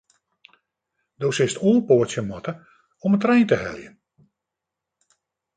Do silst oanpoatsje moatte om de trein te heljen.